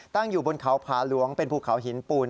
ตั้งอยู่บนเขาผาหลวงเป็นภูเขาหินปูน